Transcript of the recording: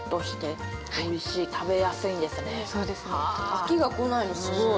飽きがこないのすごい。